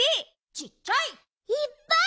ちっちゃい！いっぱい！